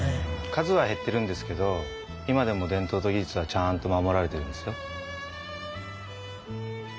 数は減ってるんですけど今でも伝統と技術はちゃんと守られてるんですよ。